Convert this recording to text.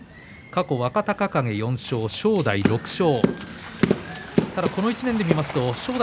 過去若隆景４勝、正代６勝。